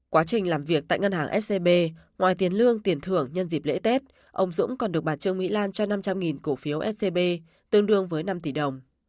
quá trình làm việc tại ngân hàng scb ngoài tiền lương tiền thưởng nhân dịp lễ tết ông dũng còn được bà trương mỹ lan cho năm trăm linh cổ phiếu scb tương đương với năm tỷ đồng